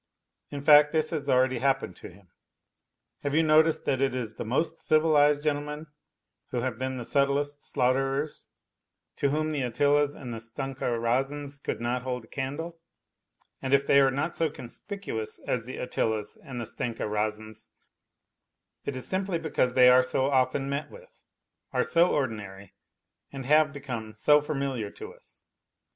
In fact, this has already happened to him. Have you noticed that it is the most civilized gentlemen who have been the subtlest slaughterers, to whom the Attilas and Stenka Razins could not hold a candle, and if they are not so conspicuous as the Attilas and Stenka Razins it is simply because they are so often met with, are so ordinary and have become so familiar to us.